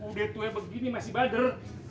udeh tuen begini masih bader